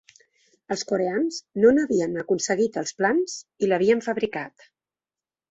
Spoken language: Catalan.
Els coreans no n’havien aconseguit els plans i l’havien fabricat.